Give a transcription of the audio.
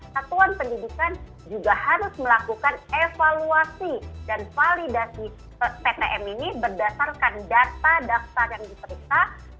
satuan pendidikan juga harus melakukan evaluasi dan validasi ptm ini berdasarkan data daftar yang diperiksa